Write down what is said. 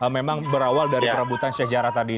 memang berawal dari perambutan syekh jarani tadi